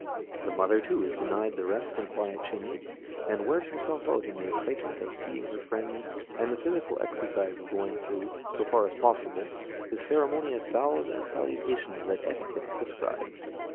The mother, too, is denied the rest and quiet she needs, and wears herself out in the excitement of seeing her friends, and the physical exercise of going through, so far as possible, the ceremonious bows and salutations that etiquette prescribes.